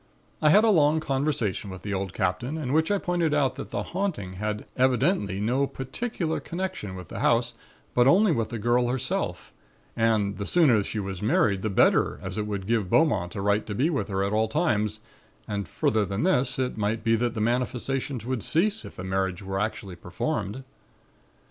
"I had a long conversation with the old Captain in which I pointed out that the 'haunting' had evidently no particular connection with the house, but only with the girl herself and that the sooner she was married, the better as it would give Beaumont a right to be with her at all times and further than this, it might be that the manifestations would cease if the marriage were actually performed.